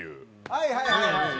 はいはいはいはい。